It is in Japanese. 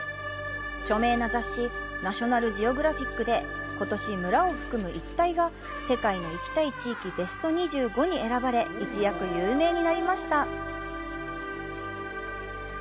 著名な雑誌、「ナショナルジオグラフィック」で、ことし、村を含む一帯が「世界の行きたい地域ＢＥＳＴ２５」に選ばれ、一躍有名になりました。